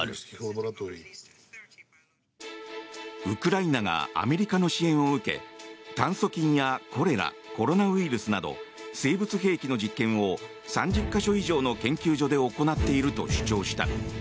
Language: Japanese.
ウクライナがアメリカの支援を受け炭疽菌やコレラコロナウイルスなど生物兵器の実験を３０か所以上の研究所で行っていると主張した。